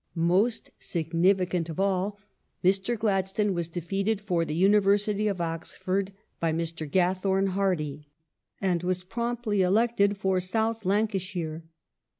Most significant of all : Mr. Gladstone was defeated for the Uni versity of Oxford by Mr. Gathorne Hardy, and was promptly elected for South Lancashire.